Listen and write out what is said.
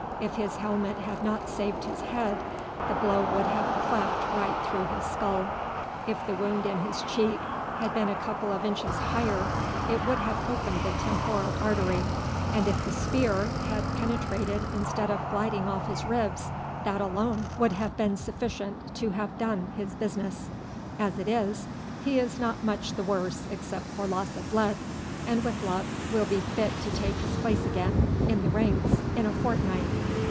If his helmet had not saved his head, the blow would have cleft right through his skull; if the wound in his cheek had been a couple of inches higher, it would have opened the temporal artery; and if the spear had penetrated instead of gliding off his ribs, that alone would have been sufficient to have done his business. As it is, he is not much the worse except for loss of blood, and with luck will be fit to take his place again in the ranks in a fortnight."